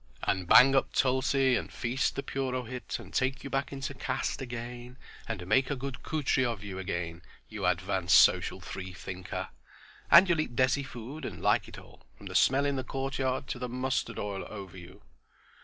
"And bang up tulsi and feast the purohit, and take you back into caste again and make a good khuttri of you again, you advanced social Free thinker. And you'll eat desi food, and like it all, from the smell in the courtyard to the mustard oil over you."